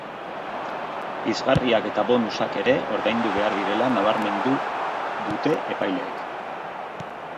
Pizgarriak eta bonusak ere ordaindu behar direla nabarmendu dute epaileek.